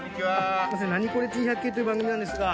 『ナニコレ珍百景』という番組なんですが。